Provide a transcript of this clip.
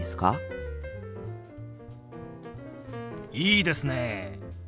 いいですね！